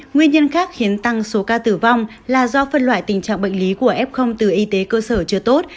nguyên nhân khác khiến tăng số ca tử vong là do phân loại tình trạng bệnh lý của f từ y tế cơ sở chưa tốt